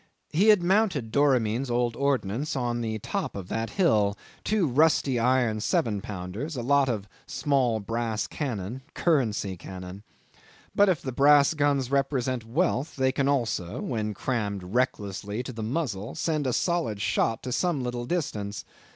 He had mounted Doramin's old ordnance on the top of that hill; two rusty iron 7 pounders, a lot of small brass cannon currency cannon. But if the brass guns represent wealth, they can also, when crammed recklessly to the muzzle, send a solid shot to some little distance.